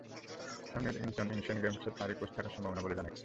সামনের Incheon Asian গেমসে তাঁরই কোচ থাকার সম্ভাবনা বলে জানা গেছে।